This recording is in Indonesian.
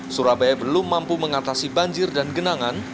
surabaya belum mampu mengatasi banjir dan genangan